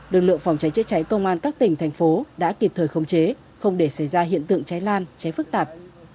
lực lượng phòng cháy chữa cháy công an các tỉnh thành phố đã kịp thời khống chế không để xảy ra hiện tượng cháy lan cháy phức tạp